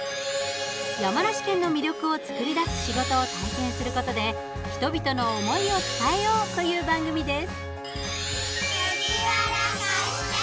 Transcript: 山梨県の魅力を作り出す仕事を体験することで、人々の思いを伝えようという番組です。